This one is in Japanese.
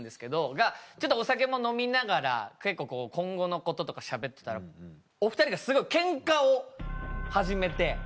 がちょっとお酒も飲みながら結構今後のこととかしゃべってたらお２人がすごいケンカを始めて。